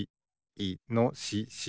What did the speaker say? いのしし。